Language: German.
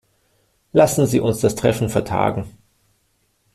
Lassen Sie uns das Treffen vertagen.